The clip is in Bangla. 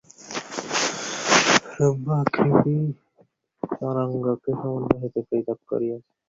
রূপ বা আকৃতিই তরঙ্গকে সমুদ্র হইতে পৃথক করিয়াছে।